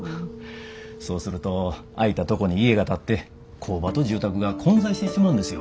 そうすると空いたとこに家が建って工場と住宅が混在してしまうんですよ。